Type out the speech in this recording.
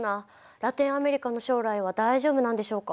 ラテンアメリカの将来は大丈夫なんでしょうか？